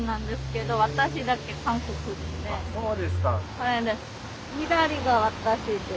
これです。